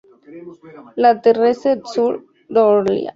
La Terrasse-sur-Dorlay